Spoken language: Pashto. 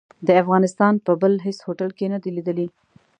د افغانستان په بل هيڅ هوټل کې نه دي ليدلي.